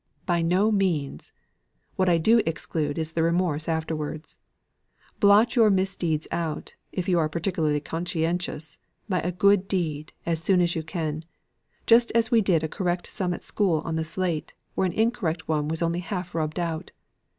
"By no means. What I do exclude is the remorse afterwards. Blot your misdeeds out (if you are particularly conscientious), by a good deed, as soon as you can; just as we did a correct sum at school on the slate, where an incorrect one was only half rubbed out.